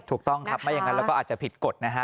ถูกต้องครับไม่อย่างนั้นแล้วก็อาจจะผิดกฎนะฮะ